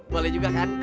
boleh juga kan